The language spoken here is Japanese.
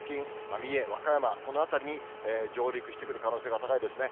三重、和歌山、この辺りに上陸してくる可能性が高いですね。